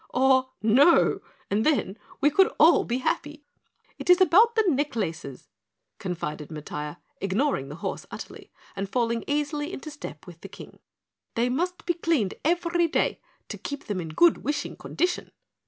or 'NO!' and then we all could be happy." "It is about the necklaces," confided Matiah, ignoring the horse utterly, and falling easily into step with the King. "They must be cleaned every day to keep them in good wishing condition."